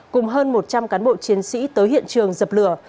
cùng hơn một trăm linh cán bộ chiến sĩ tới hiện trường dập lửa